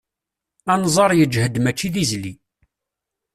Anẓar yeǧhed mačči d izli.